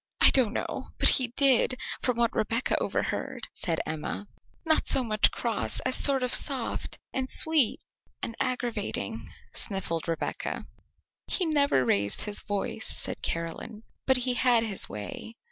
I don't know but he did, from what Rebecca overheard," said Emma. "Not so much cross as sort of soft, and sweet, and aggravating," sniffled Rebecca. "He never raised his voice," said Caroline; "but he had his way."